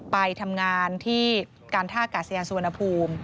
ไปทำงานที่การทากาศยาสวนภูมิ